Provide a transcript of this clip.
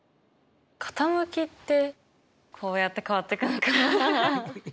傾きってこうやって変わってくのかな？